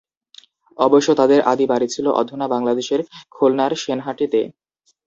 অবশ্য তাঁদের আদি বাড়ি ছিল অধুনা বাংলাদেশের খুলনার সেনহাটি'তে।